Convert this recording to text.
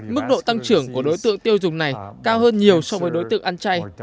mức độ tăng trưởng của đối tượng tiêu dùng này cao hơn nhiều so với đối tượng ăn chay